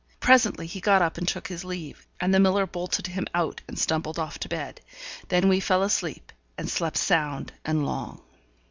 Presently he got up and took his leave; and the miller bolted him out, and stumbled off to bed. Then we fell asleep, and slept sound and long.